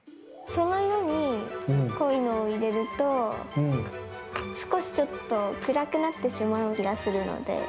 その色に濃いのを入れると、少しちょっと暗くなってしまう気がするので。